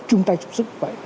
trung tay chung sức